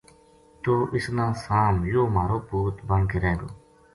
توہ اس نا سام یوہ مھارو پُوت بن کے رہ گو